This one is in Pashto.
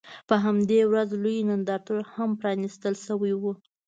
په همدې ورځ لوی نندارتون هم پرانیستل شوی و.